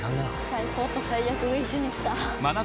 「最高と最悪が一緒にきた」